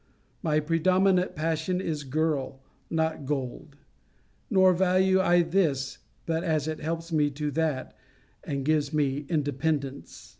My predominant passion is girl, not gold; nor value I this, but as it helps me to that, and gives me independence.